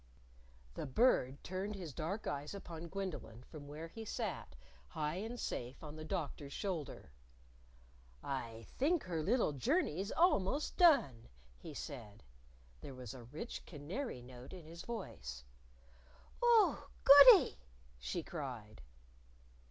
The Bird turned his dark eyes upon Gwendolyn from where he sat, high and safe, on the Doctor's shoulder. "I think her little journey's almost done," he said. There was a rich canary note in his voice. "Oo! goody!" she cried.